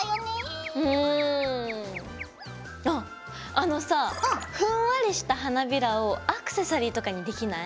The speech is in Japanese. あのさふんわりした花びらをアクセサリーとかにできない？